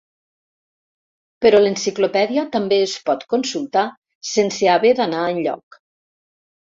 Però l'enciclopèdia també es pot consultar sense haver d'anar enlloc.